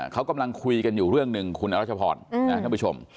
เขากำลังคุยกันอยู่เรื่องหนึ่งคุณอรัชพรนะท่านผู้ชม